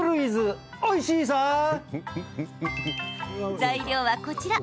材料は、こちら。